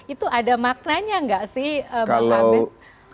itu ada maknanya nggak sih bang abed